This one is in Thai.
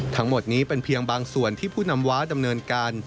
ทั้งหมดนี้เป็นเพียงบางส่วนที่ผู้นำว้าดำเนินการ